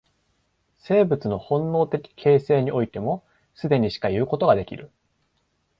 生物の本能的形成においても、既にしかいうことができる。